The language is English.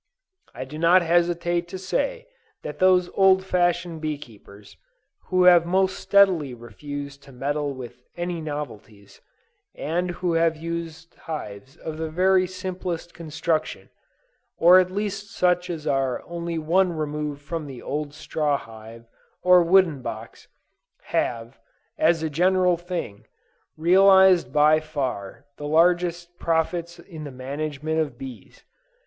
I do not hesitate to say that those old fashioned bee keepers, who have most steadily refused to meddle with any novelties, and who have used hives of the very simplest construction, or at least such as are only one remove from the old straw hive, or wooden box, have, as a general thing, realized by far the largest profits in the management of bees.